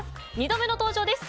２度目の登場です。